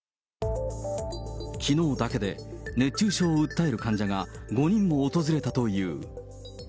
きのうだけで熱中症を訴える患者が５人も訪れたという。